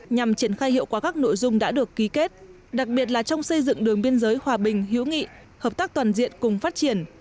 nhằm triển khai hiệu quả các nội dung đã được ký kết đặc biệt là trong xây dựng đường biên giới hòa bình hữu nghị hợp tác toàn diện cùng phát triển